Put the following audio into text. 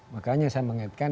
makanya saya mengaitkan